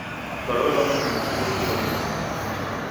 د غره لمن کې د شپې اور بلېږي.